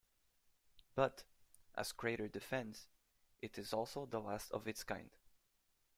But, as Crater defends, it is also the last of its kind.